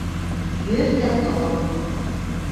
Йӧртӓ тылым